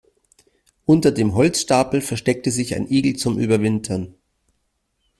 Unter dem Holzstapel versteckte sich ein Igel zum Überwintern.